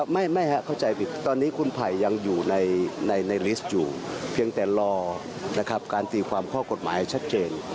ไม่ครับเข้าใจผิดตอนนี้คุณไผ่ยังอยู่ในลิสต์อยู่เพียงแต่รอการตีความข้อกฎหมายให้ชัดเจน